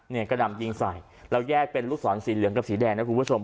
กระนำยิงใส่แล้วแยกเป็นลูกศรสีเหลืองกับสีแดงนะคุณผู้ชม